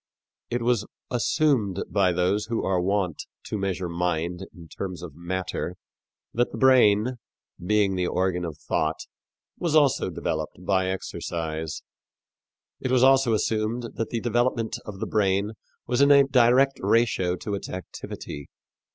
It was assumed by those who are wont to measure mind in terms of matter that the brain, being the organ of thought, was also developed by exercise. It was also assumed that the development of the brain was in a direct ratio to its activity.